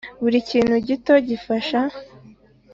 buri kintu gito gifasha